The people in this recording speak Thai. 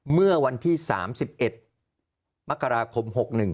เมื่อวันที่๓๑มกราคม๖๑